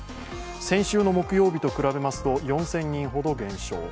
先週の木曜日と比べますと４０００人ほど減少。